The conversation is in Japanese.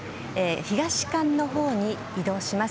東館のほうに移動します。